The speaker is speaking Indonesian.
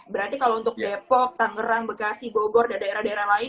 berarti kalau untuk depok tangerang bekasi bogor dan daerah daerah lain